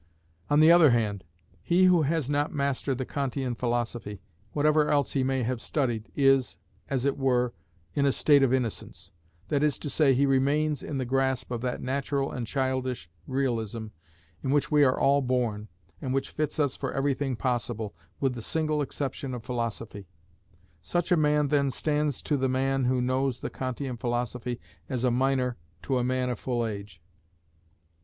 On the other hand, he who has not mastered the Kantian philosophy, whatever else he may have studied, is, as it were, in a state of innocence; that is to say, he remains in the grasp of that natural and childish realism in which we are all born, and which fits us for everything possible, with the single exception of philosophy. Such a man then stands to the man who knows the Kantian philosophy as a minor to a man of full age.